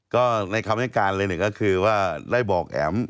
ก็ในคำให้การเลยเนี่ยก็คือว่าได้บอกแอ๋ม